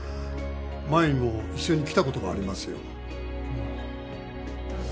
前にも一緒に来たことがありますよ。